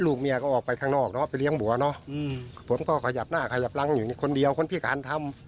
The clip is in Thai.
เมียก็ออกไปข้างนอกเนอะไปเลี้ยงบัวเนอะผมก็ขยับหน้าขยับหลังอยู่คนเดียวคนพิการทำ